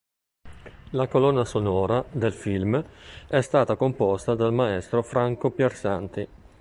La colonna sonora del film è stata composta dal maestro Franco Piersanti.